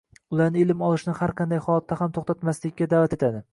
ularni ilm olishni har qanday holatda ham to‘xtatmaslikka da’vat etdi